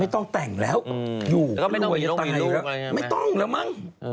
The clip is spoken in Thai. ไม่ต้องแต่งแล้วอยู่รวยตายแล้วไม่ต้องเหรอมั้ง